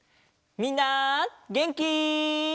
みんなげんき？